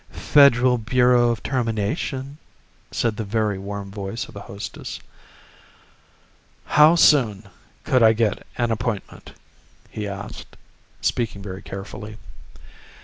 "Federal Bureau of Termination," said the very warm voice of a hostess. "How soon could I get an appointment?" he asked, speaking very carefully.